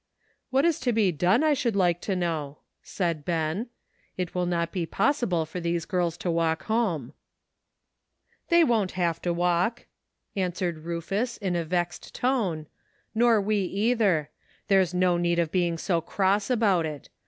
"What is to be done, I should like to know?" said Ben. "It will not be possible for these girls to walk home." 44 ''A PRETTY STATE OF THINGS.'' "They won't have to walk," answered Rufiis, in a vexed tone, "nor we either. There's no need of being so cross about it.